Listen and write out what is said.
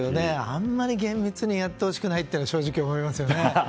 あまり厳密にやってほしくないと正直、思いますね。